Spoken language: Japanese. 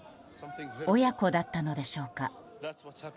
親子だったのでしょうか。